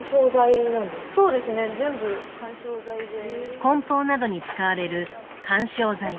こん包などに使われる緩衝材。